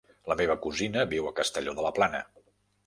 La meva cosina viu a Castelló de la Plana.